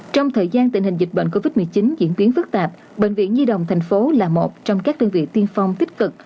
trong thời gian tình hình dịch bệnh covid một mươi chín diễn biến phức tạp bệnh viện nhi đồng tp hcm là một trong các đơn vị tiên phong tích cực